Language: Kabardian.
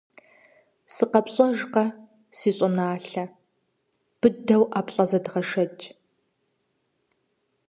СыкъэпщӀэжкъэ, си щӀыналъэ, быдэу ӀэплӀэ зэдгъэшэкӀ.